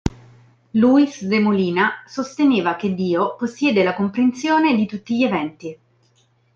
Luis de Molina sosteneva che Dio possiede la comprensione di tutti gli eventi.